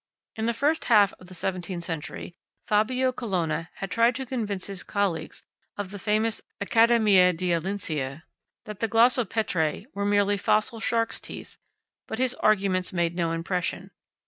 In the first half of the seventeenth century, Fabio Colonna had tried to convince his colleagues of the famous Accademia dei Lincei that the glossopetrae were merely fossil sharks' teeth, but his arguments made no impression.